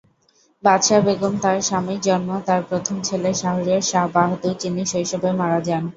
বাদশা বেগম তার স্বামীর জন্ম তাঁর প্রথম ছেলে শাহরিয়ার শাহ বাহাদুর, যিনি শৈশবে মারা যান।